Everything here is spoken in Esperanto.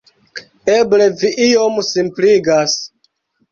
Eble vi iom simpligas.